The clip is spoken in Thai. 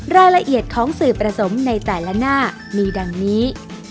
รายละเอียดของสื่อผสมในแต่ละหน้ามีดังนี้